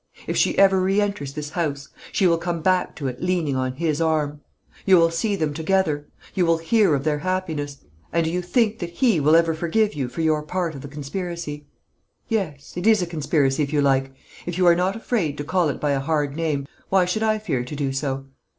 If she ever re enters this house, she will come back to it leaning on his arm. You will see them together you will hear of their happiness; and do you think that he will ever forgive you for your part of the conspiracy? Yes, it is a conspiracy, if you like; if you are not afraid to call it by a hard name, why should I fear to do so?